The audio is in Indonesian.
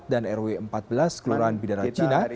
dan rw empat belas geloraan bidara cina